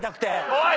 おい！